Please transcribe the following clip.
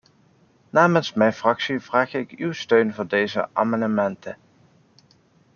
Namens mijn fractie vraag ik uw steun voor deze amendementen.